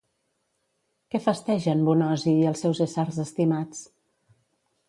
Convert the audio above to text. Què festegen Bonosi i els seus éssers estimats?